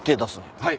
はい！